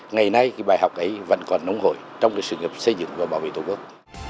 ngày nay bài học ấy vẫn còn nồng hồi trong sự nghiệp xây dựng và bảo vệ tổ quốc